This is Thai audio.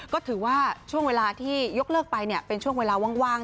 ก็ถือว่าช่วงเวลาที่ยกเลิกไปเป็นช่วงเวลาว่าง